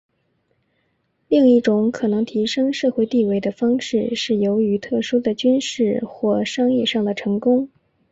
另一种可能提升社会地位的方式是由于特殊的军事或商业上的成功。